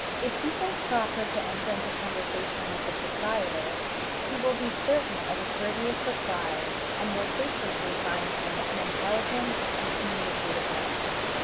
If he thinks proper to enter into conversation with the proprietor, he will be certain of a courteous reply, and will frequently find him an intelligent and communicative man.